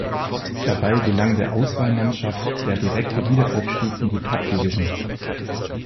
Dabei gelang der Auswahlmannschaft der direkte Wiederaufstieg in die Top-Division.